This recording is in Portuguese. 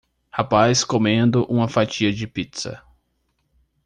Rapaz comendo uma fatia de pizza